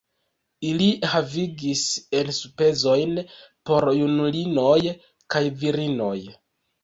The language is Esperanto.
Ili havigis enspezojn por junulinoj kaj virinoj.